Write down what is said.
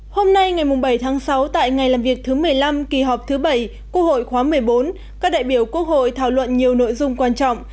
hôm nay ngày bảy tháng sáu tại ngày làm việc thứ một mươi năm kỳ họp thứ bảy quốc hội khóa một mươi bốn các đại biểu quốc hội thảo luận nhiều nội dung quan trọng